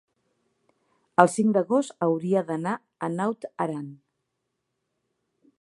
el cinc d'agost hauria d'anar a Naut Aran.